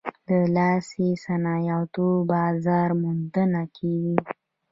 د لاسي صنایعو بازار موندنه کیږي؟